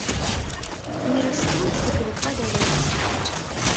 Нерастуюць з сакавіка да верасня.